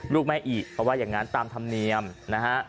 ลูกแม่อีกเขาว่าอย่างนั้นตามธรรมเนียมนะฮะ